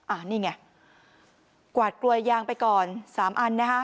อ่านี่ไงกวาดกลัวยยางไปก่อน๓อันนะคะ